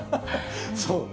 そうね。